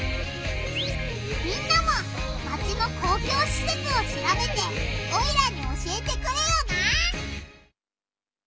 みんなもマチの公共しせつをしらべてオイラに教えてくれよな！